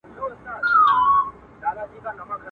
په مشوکه کي مي زېری د اجل دئ.